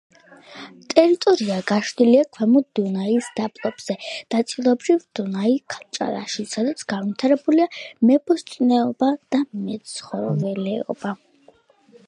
ტერიტორია გაშლილია ქვემო დუნაის დაბლობზე, ნაწილობრივ დუნაის ჭალაში, სადაც განვითარებულია მებოსტნეობა და მეცხოველეობა.